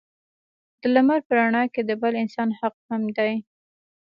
د لمر په رڼا کې د بل انسان حق هم دی.